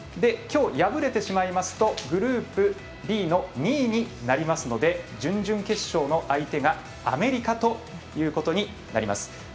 きょう敗れてしまいますとグループＢの２位になりますので準々決勝の相手がアメリカということになります。